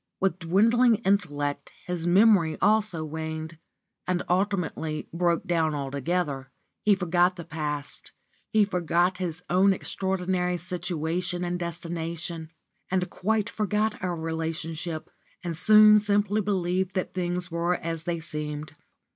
With dwindling intellect his memory also waned, and ultimately broke down altogether. He forgot the past, he forgot his own extraordinary situation and destination, he quite forgot our relationship, and soon simply believed that things were as they seemed.